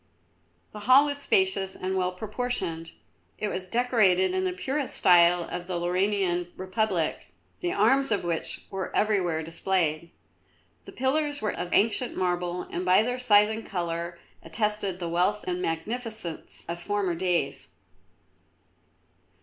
The hall was spacious and well proportioned. It was decorated in the purest style of the Lauranian Republic, the arms of which were everywhere displayed. The pillars were of ancient marble and by their size and colour attested the wealth and magnificence of former days.